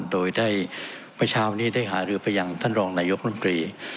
โดยได้เมื่อเช้านี้ได้หารือไปยังท่านรองนายกรมตรี